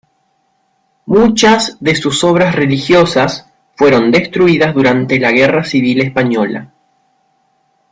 Muchas de sus obras religiosas fueron destruidas durante la Guerra Civil Española.